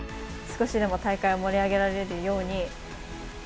少しでも大会を盛り上げられるように。